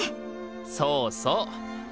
そうそう。